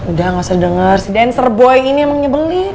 udah gak usah denger si dancer boy ini emang nyebelin